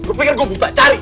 gue pikir gue buka cari